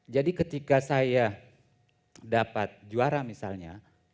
jadi ketika saya dapat juara misalnya